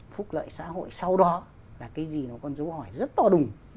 phúc lợi xã hội sau đó là cái gì nó có dấu hỏi rất to đùng